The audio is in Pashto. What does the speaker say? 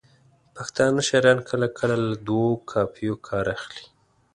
پښتانه شاعران کله کله له دوو قافیو کار اخلي.